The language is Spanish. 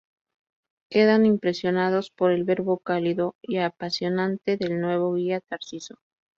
Quedan impresionados por el verbo cálido y apasionante del nuevo guía Tarsicio.